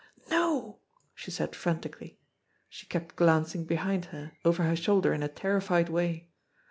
"No !" she said frantically. She kept glancing behind her, over her shoulder in a terrified way.